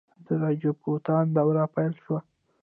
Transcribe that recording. د راجپوتانو دوره پیل شوه.